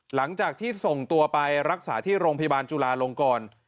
หลังจากที่ส่งตัวไปรักษาที่โรงพยาบาลจุลาลงกร